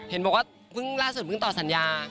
เห็นบอกว่าที่สุดท้ายว่ามันต่อสัญญา